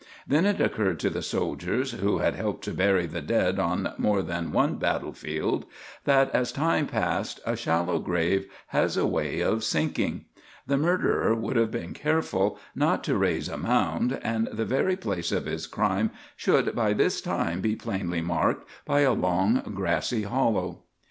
Then it occurred to the soldiers, who had helped to bury the dead on more than one battle field, that as time passes a shallow grave has a way of sinking. The murderer would have been careful not to raise a mound, and the very place of his crime should by this time be plainly marked by a long grassy hollow.